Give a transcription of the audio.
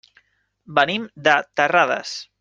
Venim de Terrades.